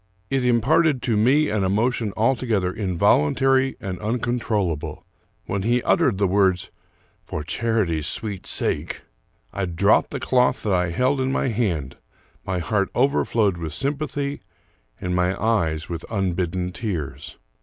It imparted to me an emotion altogether involuntary and uncontrollable. When he uttered the words, " for charity's sweet sake," I dropped the cloth that I held in my hand; my heart over flowed with sympathy and my eyes with unbidden tears.